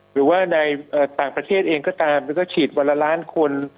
หรือว่าในต่างประเทศเองก็ตามหรือก็ฉีดวันละล้านคน